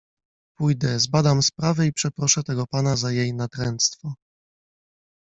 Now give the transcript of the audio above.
Pójdę, zbadam sprawę i przeproszę tego pana za jej natręctwo.